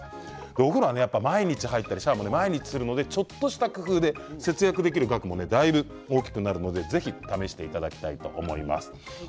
お風呂は毎日シャワーも毎日するのでちょっとした工夫で節約できる額もだいぶ大きくなるので試していただきたいと思います。